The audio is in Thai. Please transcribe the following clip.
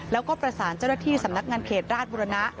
แล้วก็ประสานเจ้าหน้าที่สำนักงานเขตราชบุรณะ